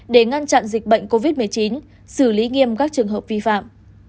để ngăn chặn dịch bệnh covid một mươi chín xử lý nghiêm các trường hợp vi phạm